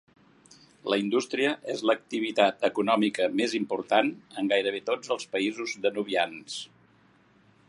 La indústria és l'activitat econòmica més important en gairebé tots els països danubians.